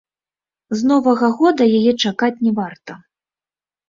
З новага года яе чакаць не варта.